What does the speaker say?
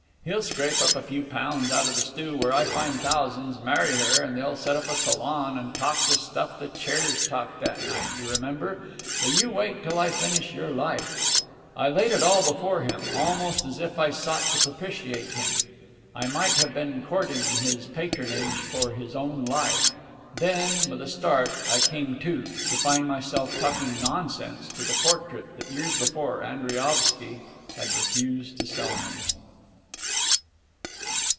He'll scrape up a few pounds out of the stew where I find thousands, marry her, and they'll set up a salon and talk the stuff the chairs talked that night, you remember!... But you wait until I finish your 'Life.'..." I laid it all before him, almost as if I sought to propitiate him. I might have been courting his patronage for his own "Life." Then, with a start, I came to, to find myself talking nonsense to the portrait that years before Andriaovsky had refused to sell me.